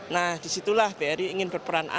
nah disitulah bri ingin berperan